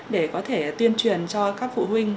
để có thể tuyên truyền cho các phụ huynh